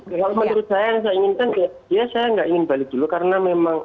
kalau menurut saya yang saya inginkan ya saya nggak ingin balik dulu karena memang